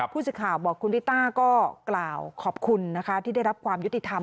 ผู้สื่อข่าวบอกคุณลิต้าก็กล่าวขอบคุณนะคะที่ได้รับความยุติธรรม